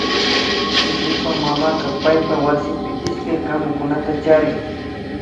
Intipak mamaka paypak wasipi ishkay kamukunata charin